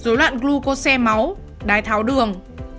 ba rối loạn glucose máu đài tháo đường